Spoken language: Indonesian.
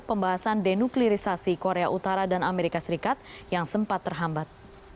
pembahasan denuklirisasi korea utara dan amerika serikat yang sempat terhambat